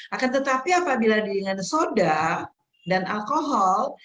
akan tetapi apabila dengan soda dan alkohol